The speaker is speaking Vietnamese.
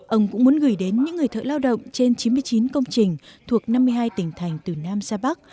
ông cũng muốn gửi đến những người thợ lao động trên chín mươi chín công trình thuộc năm mươi hai tỉnh thành từ nam ra bắc